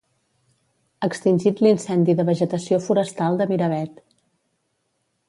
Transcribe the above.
Extingit l'incendi de vegetació forestal de Miravet.